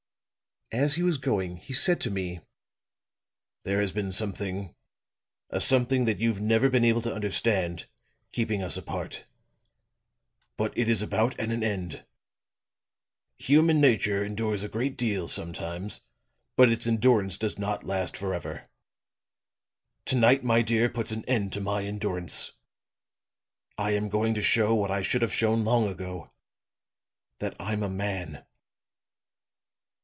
As he was going, he said to me: "'There has been something a something that you've never been able to understand keeping us apart. But it is about at an end. Human nature endures a great deal, sometimes, but it's endurance does not last forever. To night, my dear, puts an end to my endurance. I am going to show what I should have shown long ago that I'm a man.'